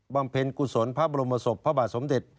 บางเพลตกุศลพระบรมบสมเด็จ